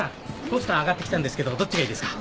ポスター上がってきたんですけどどっちがいいですか？